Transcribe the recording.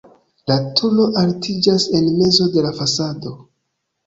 La turo altiĝas en mezo de la fasado.